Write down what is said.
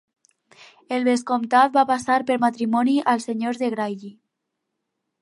El vescomtat va passar per matrimoni als senyors de Grailly.